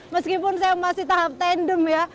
meskipun saya masih tahap tandem ya